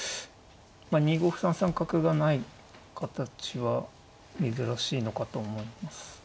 まあ２五歩３三角がない形は珍しいのかと思います。